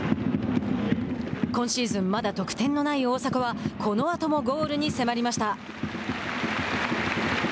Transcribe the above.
今シーズンまだ得点のない大迫はこのあともゴールに迫りました。